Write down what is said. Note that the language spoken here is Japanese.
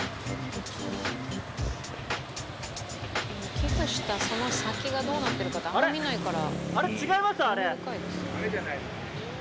寄付したその先がどうなってるかってあんま見ないから。